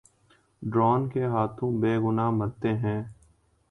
Drone کے ہاتھوں بے گناہ مرتے ہیں۔